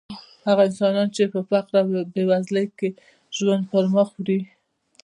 هغه انسانان چې په فقر او بېوزلۍ کې ژوند پرمخ وړي.